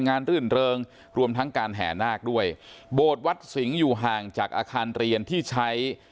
รื่นเริงรวมทั้งการแห่นาคด้วยโบสถ์วัดสิงห์อยู่ห่างจากอาคารเรียนที่ใช้